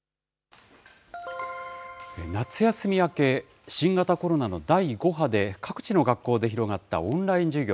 夏休み明け、新型コロナの第５波で、各地の学校で広がったオンライン授業。